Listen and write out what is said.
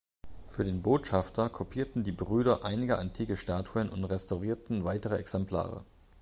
Für den Botschafter kopierten die Brüder einige antike Statuen und restaurierten weitere Exemplare.